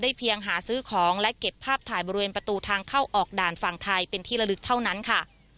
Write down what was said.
เพียงหาซื้อของและเก็บภาพถ่ายบริเวณประตูทางเข้าออกด่านฝั่งไทยเป็นที่ละลึกเท่านั้นค่ะ